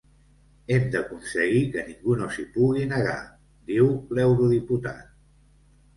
Hem d’aconseguir que ningú no s’hi pugui negar, diu l’eurodiputat.